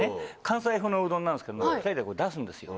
関西風のうどんなんですけども２人でこう出すんですよ。